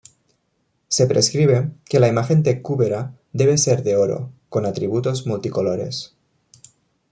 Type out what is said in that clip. Se prescribe que la imagen de Kúbera debe ser de oro, con atributos multicolores.